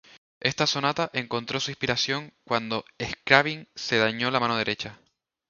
Esta sonata encontró su inspiración cuando Scriabin se dañó la mano derecha.